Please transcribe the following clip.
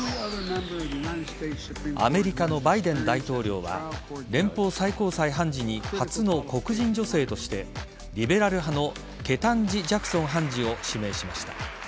アメリカのバイデン大統領は連邦最高裁判事に初の黒人女性としてリベラル派のケタンジ・ジャクソン判事を指名しました。